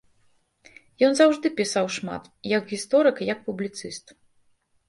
Ён заўжды пісаў шмат, як гісторык і як публіцыст.